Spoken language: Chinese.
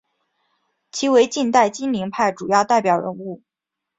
其为近代金陵派主要代表人物。